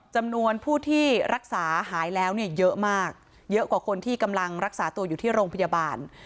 จำนวนผู้ที่รักษาหายแล้วเนี่ยเยอะมากเยอะกว่าคนที่กำลังรักษาตัวอยู่ที่โรงพยาบาล